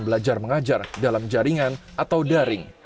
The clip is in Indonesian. belajar mengajar dalam jaringan atau daring